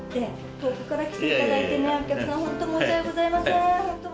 遠くから来ていただいてね、お客さん、本当申し訳ございません。